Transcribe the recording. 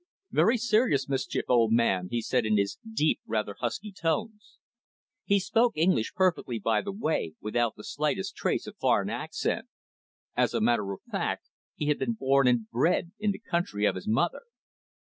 "Very serious mischief, old man," he said, in his deep, rather husky tones. He spoke English perfectly, by the way, without the slightest trace of foreign accent. As a matter of fact, he had been born and bred in the country of his mother.